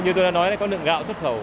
như tôi đã nói là có lượng gạo xuất khẩu